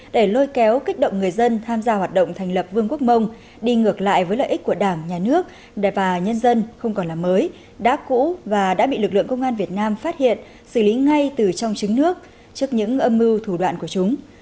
để lôi kéo kích động người dân tham gia hoạt động thành lập vương quốc mông đi ngược lại với lợi ích của đảng nhà nước và nhân dân không còn là mới đã cũ và đã bị lực lượng công an việt nam phát hiện xử lý ngay từ trong chính nước trước những âm mưu thủ đoạn của chúng